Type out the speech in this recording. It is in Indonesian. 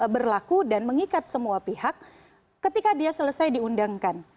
berlaku dan mengikat semua pihak ketika dia selesai diundangkan